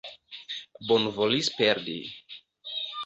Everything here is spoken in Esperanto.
Bonvolis perdi.